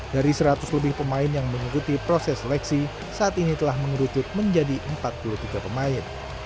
dari seratus lebih pemain yang mengikuti proses seleksi saat ini telah mengerucut menjadi empat puluh tiga pemain